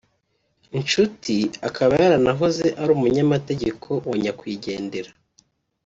inshuti akaba yaranahoze ari umunyamategeko wa nyakwigendera